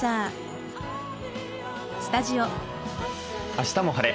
「あしたも晴れ！